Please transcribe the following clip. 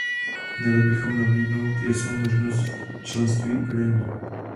Měli bychom nabídnout jasnou možnost členství Ukrajině.